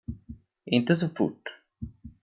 Inte så fort.